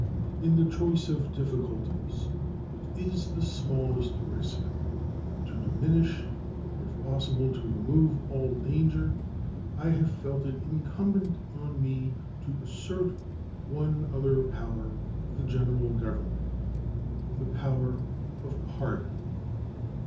In the choice of difficulties it is the smallest risk; and to diminish and if possible to remove all danger, I have felt it incumbent on me to assert one other power of the General Government the power of pardon.